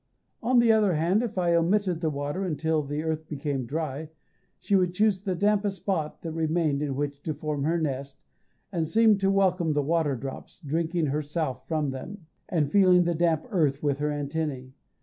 On the other hand, if I omitted the water until the earth became dry, she would choose the dampest spot that remained in which to form her nest, and seemed to welcome the water drops, drinking herself from them, and feeling the damp earth with her antennæ.